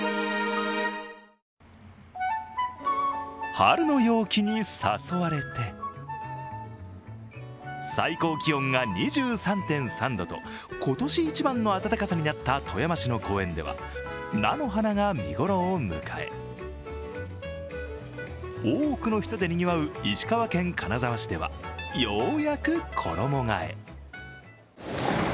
春の陽気に誘われて最高気温が２３．３度と今年一番の暖かさになった富山市の公園では、菜の花が見頃を迎え多くの人でにぎわう石川県金沢市では、ようやく衣替え。